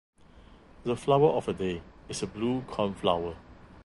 The flower of the day is a blue cornflower.